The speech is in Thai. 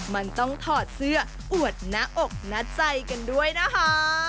มันต้องทอดเสื้ออวดนะอกนะใจกันด้วยนะฮะ